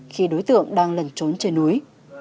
khi đối tượng đang lẩn trốn trên núi